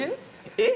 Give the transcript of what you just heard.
えっ？